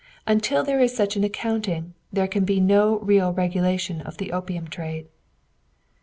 Until there is such an accounting, there can be no real regulation of the opium trade.